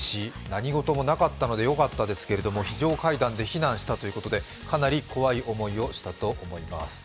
何事もなかったのでよかったですけれども非常階段で避難をしたということでかなり怖い思いをしたと思います。